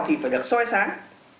thì phải được xoay sáng